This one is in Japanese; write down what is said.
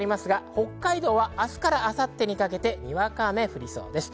北海道は明日から明後日にかけてにわか雨が降りそうです。